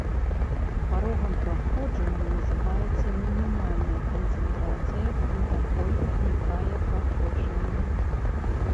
Парогам праходжання называецца мінімальная канцэнтрацыя, пры якой узнікае праходжанне.